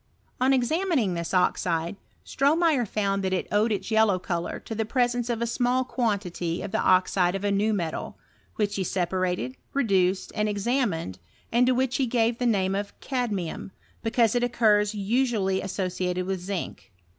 On examining this oxide, StroBoeyer found I I HiflTOft? or CHEUiaraY. that it owed its yellow colour to the presence of ft small quantity of the oxide of a new metal, which he separated, reduced, and examined, and to which he gave the name of cadmium, because it occurs usually associated with zinc.